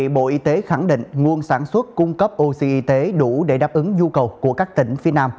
bộ y tế khẳng định nguồn sản xuất cung cấp oc y tế đủ để đáp ứng nhu cầu của các tỉnh phía nam